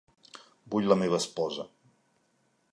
Vull la meva esposa.